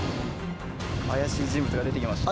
怪しい人物が出てきました。